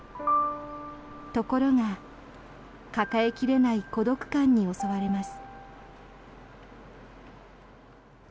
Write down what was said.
ところが、抱え切れない孤独感に襲われます。